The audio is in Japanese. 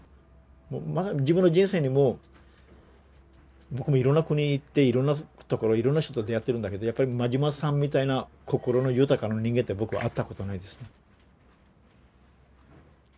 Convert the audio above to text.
自分の人生にも僕もいろんな国行っていろんなところいろんな人と出会ってるんだけどやっぱり馬島さんみたいな心の豊かな人間って僕は会ったことないですね。